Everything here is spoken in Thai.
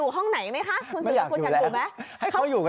โหลหัวมาเต็มทุกรูอ่ะ